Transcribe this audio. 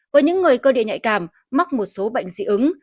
với những người cơ địa nhạy cảm mắc một số bệnh dị ứng